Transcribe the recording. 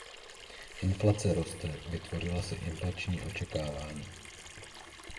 Inflace roste, vytvořila se inflační očekávání.